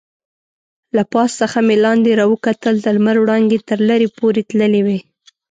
له پاس څخه مې لاندې راوکتل، د لمر وړانګې تر لرې پورې تللې وې.